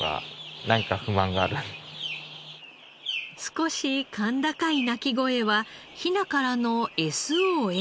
少し甲高い泣き声はヒナからのＳＯＳ。